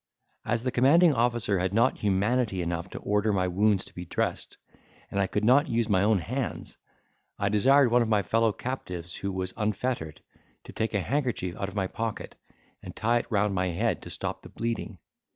As the commanding officer had not humanity enough to order my wounds to be dressed, and I could not use my own hands, I desired one of my fellow captives who was unfettered, to take a handkerchief out of my pocket, and tie it round my head, to stop the bleeding.